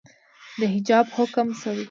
د حجاب حکم شوئ